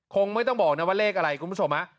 คงไม่ต้องบอกนะว่าเลขอะไรคุณผู้ชม